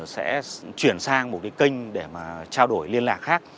sẽ chuyển sang một kênh để trao đổi liên lạc khác